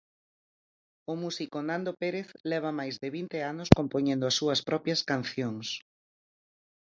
O músico Nando Pérez leva máis de vinte anos compoñendo as súas propias cancións.